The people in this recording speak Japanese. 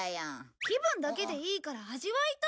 気分だけでいいから味わいたい！